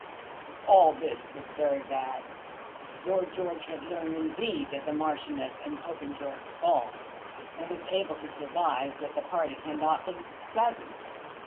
All this was very bad. Lord George had learned, indeed, that the Marchioness and Popenjoy were gone, and was able to surmise that the parting had not been pleasant.